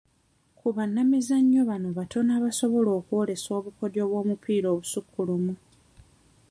Ku bannabyamizannyo bano batono abasobola okwolesa obukodyo bw'omupiira obusukkulumu.